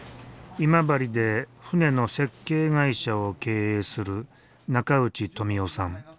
今治で船の設計会社を経営する中内富男さん。